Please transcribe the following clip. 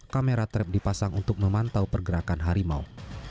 kamera trap dipasang untuk memantau pergerakan harimau